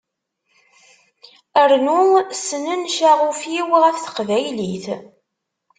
Rnu snen ccaɣuf-iw ɣef teqbaylit.